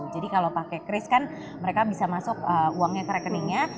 karena mereka sudah pernah pakai kris kan mereka bisa masuk uangnya ke rekeningnya